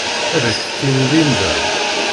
Ad ak-t-tini Linda.